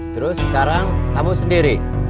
terus sekarang kamu sendiri